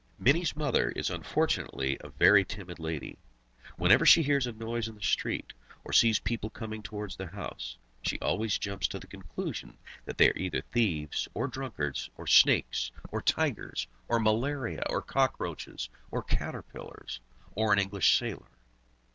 Mini's mother is unfortunately a very timid lady. Whenever she hears a noise in the street, or sees people coming towards the house, she always jumps to the conclusion that they are either thieves, or drunkards, or snakes, or tigers, or malaria or cockroaches, or caterpillars, or an English sailor.